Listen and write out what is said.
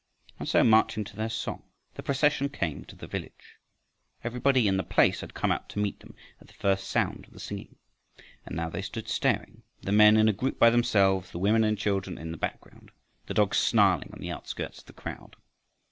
And so, marching to their song, the procession came to the village. Everybody in the place had come out to meet them at the first sound of the singing. And now they stood staring, the men in a group by themselves, the women and children in the background, the dogs snarling on the outskirts of the crowd.